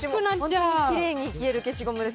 本当にきれいに消える消しゴムです。